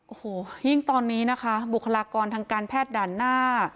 โอ้โหยิ่งตอนนี้นะคะบุคลากรทางการแพทย์ด่านหน้า